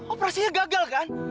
operasinya gagal kan